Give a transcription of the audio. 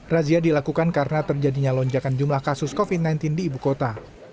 razia dilakukan karena terjadinya lonjakan jumlah kasus covid sembilan belas di ibu kota